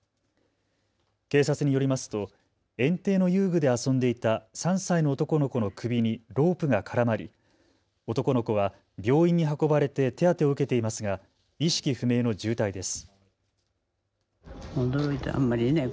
警察によりますと園庭の遊具で遊んでいた３歳の男の子の首にロープが絡まり男の子は病院に運ばれて手当てを受けていますが意識不明の重体です。